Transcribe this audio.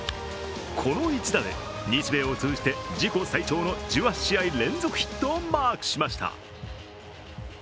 この一打で、日米を通じて自己最長の１８試合連続ヒットをマークしました。